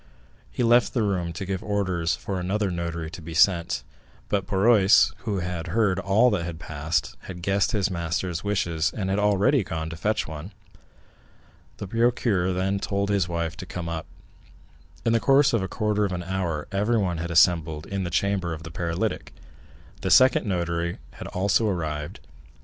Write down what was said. He left the room to give orders for another notary to be sent, but Barrois, who had heard all that passed, had guessed his master's wishes, and had already gone to fetch one. The procureur then told his wife to come up. In the course of a quarter of an hour everyone had assembled in the chamber of the paralytic; the second notary had also arrived.